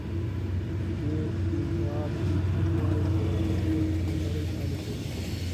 ډي لمارټین وایي د یو کس نه شتون نړۍ خالي کوي.